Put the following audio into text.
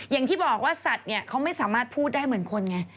อย่างที่บอกว่าสัตว์เนี่ยเขาไม่สามารถพูดได้เหมือนคนไง